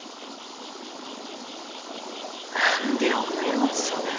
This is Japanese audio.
何でおめえはそねん。